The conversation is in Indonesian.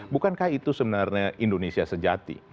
bukankah itu sebenarnya indonesia sejati